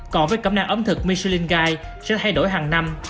còn với cẩm năng ẩm thực michelin guide sẽ thay đổi hàng năm